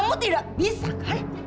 kamu tidak bisa kan